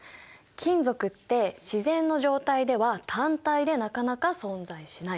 金属って自然の状態では単体でなかなか存在しない。